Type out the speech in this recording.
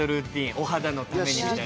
お肌のためにみたいな。